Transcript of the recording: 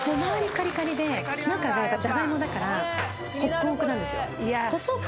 カリカリで中がジャガイモだからホクホクなんですよ細く